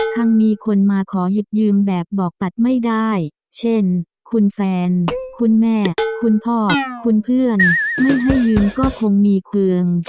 ทั้งมีคนมาขอหยิบยืมแบบบอกตัดไม่ได้เช่นคุณแฟนคุณแม่คุณพ่อคุณเพื่อนไม่ให้ยืมก็คงมีเครื่อง